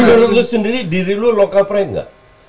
tapi menurut lu sendiri diri lu local pride nggak